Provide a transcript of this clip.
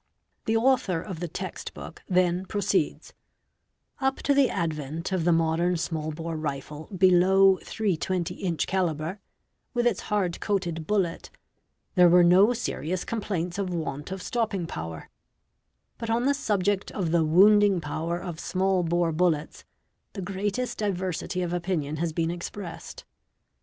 The author of the " Text Book" then proceeds :— "Up to the advent of the modern small bore rifle below °320 inch calibre, with its hard coated bullet, there were no serious complaints of want of stopping power; but, on the subject of the wounding power of small bore bullets, the greatest diversity of opinion has been expressed.